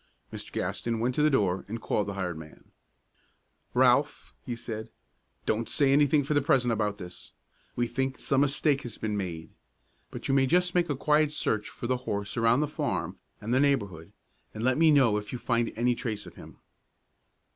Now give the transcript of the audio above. Mr. Gaston went to the door and called the hired man. "Ralph," he said, "don't say anything for the present about this. We think some mistake has been made. But you may just make a quiet search for the horse around the farm and the neighborhood, and let me know if you find any trace of him.